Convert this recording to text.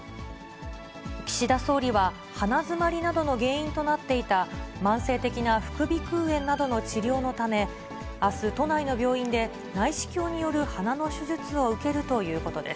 岸田総理は、鼻詰まりなどの原因となっていた、慢性的な副鼻腔炎などの治療のため、あす、都内の病院で内視鏡による鼻の手術を受けるということです。